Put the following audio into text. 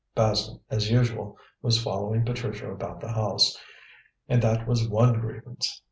Basil, as usual, was following Patricia about the house, and that was one grievance.